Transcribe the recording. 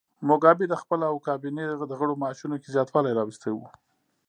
موګابي د خپل او کابینې د غړو معاشونو کې زیاتوالی راوستی و.